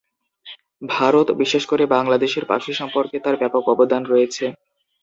ভারত, বিশেষ করে বাংলার পাখি সম্পর্কে তার ব্যাপক অবদান রয়েছে।